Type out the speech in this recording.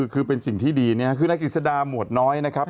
คือเป็นสิ่งที่ดีเนี่ยคือนายกฤษดาหมวดน้อยนะครับ